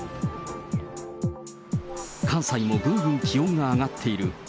関西もぐんぐん気温が上がっている。